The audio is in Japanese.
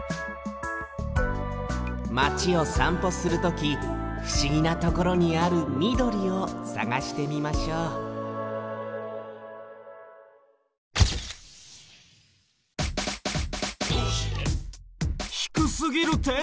マチをさんぽするときふしぎなところにあるみどりをさがしてみましょう低すぎる天井！